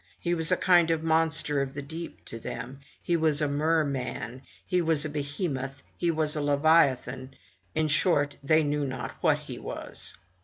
He was a kind of monster of the deep to them — he was a merman — he was a behemoth — he was a leviathan — in short, they knew not what he was.